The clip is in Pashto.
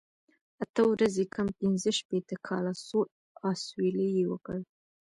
اته ورځې کم پنځه شپېته کاله، سوړ اسویلی یې وکړ.